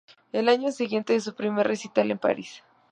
El año siguiente da su primer recital en París.